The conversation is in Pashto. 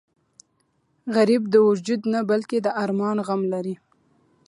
غریب د وجود نه بلکې د ارمان غم لري